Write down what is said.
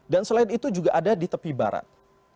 dan selain itu juga ada di tepi barat